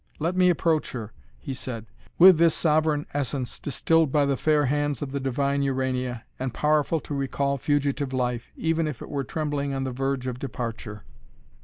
Let me approach her," he said," with this sovereign essence, distilled by the fair hands of the divine Urania, and powerful to recall fugitive life, even if it were trembling on the verge of departure."